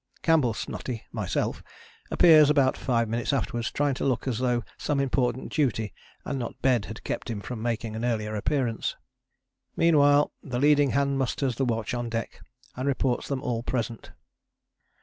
Campbell's snotty, myself, appears about five minutes afterwards trying to look as though some important duty and not bed had kept him from making an earlier appearance. Meanwhile the leading hand musters the watch on deck and reports them all present.